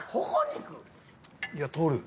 いや取る。